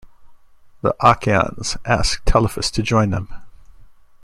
The Achaeans asked Telephus to join them.